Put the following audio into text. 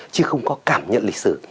chứ không có cảm nhận lịch sử